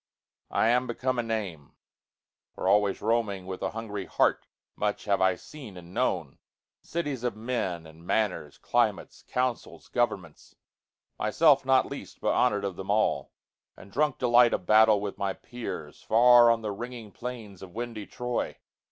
I am become a name; For always roaming with a hungry heartMuch have I seen and known: cities of menAnd manners, climates, councils, governments, Myself not least, but honor'd of them all; And drunk delight of battle with my peers, Far on the ringing plains of windy Troy.